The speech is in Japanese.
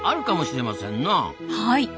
はい。